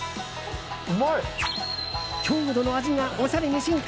郷土の味がおしゃれに進化！